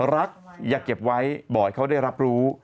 รักอย่าเก็บไว้บ่อยเขาได้รับรู้